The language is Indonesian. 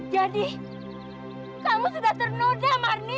jadi kamu sudah ternoda marni